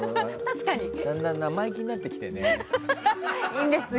だんだん生意気になってきてるよね。